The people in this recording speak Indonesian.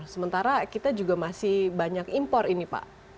sementara kita juga masih banyak impor ini pak